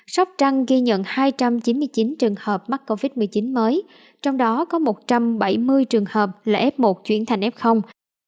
sóc trăng ghi nhận hai trăm chín mươi chín trường hợp mắc covid một mươi chín mới trong đó có một trăm bảy mươi trường hợp là f một chuyển thành f